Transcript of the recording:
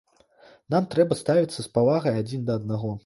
Нам трэба ставіцца з павагай адзін да аднаго.